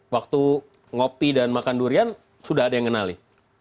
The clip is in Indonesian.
waktu ngopi dan makan durian sudah ada yang kenali